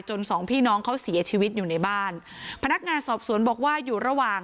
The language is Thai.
สองพี่น้องเขาเสียชีวิตอยู่ในบ้านพนักงานสอบสวนบอกว่าอยู่ระหว่าง